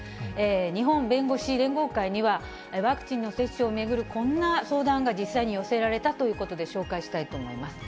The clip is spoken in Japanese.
日本弁護士連合会には、ワクチンの接種を巡るこんな相談が実際に寄せられたということで、紹介したいと思います。